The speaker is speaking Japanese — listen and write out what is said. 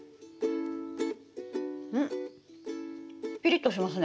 ピリッとしますね。